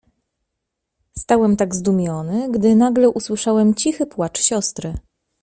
"Stałem tak zdumiony, gdy nagle usłyszałem cichy płacz siostry."